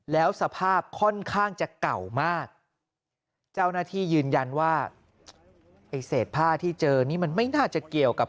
แล้วสภาพค่อนข้างจะเก่ามากเจ้าหน้าที่ยืนยันว่าไอ้เศษผ้าที่เจอนี่มันไม่น่าจะเกี่ยวกับ